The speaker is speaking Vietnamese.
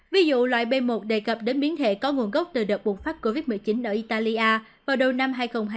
ví dụ loại b một đề cập đến biến thể có nguồn gốc từ đợt bùng phát covid một mươi chín ở italia vào đầu năm hai nghìn hai mươi